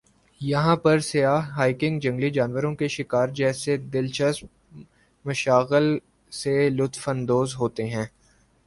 یہاں پر سیاح ہائیکنگ جنگلی جانوروں کے شکار جیسے دلچسپ مشاغل سے لطف اندوز ہو تے ہیں ۔